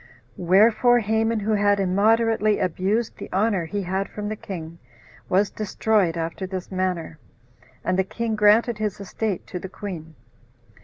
12. Wherefore Haman, who had immoderately abused the honor he had from the king, was destroyed after this manner, and the king granted his estate to the queen.